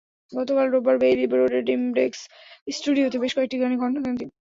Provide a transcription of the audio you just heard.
গতকাল রোববার বেইলি রোডের ড্রিমডেস্ক স্টুডিওতে বেশ কয়েকটি গানে কণ্ঠ দেন তিনি।